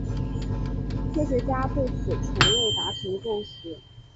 科学家对此从未达成共识。